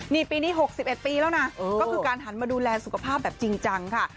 นี่ปีนี้๖๑ปีแล้วนะก็คือการหันมาดูแลสุขภาพแบบจริงจังค่ะ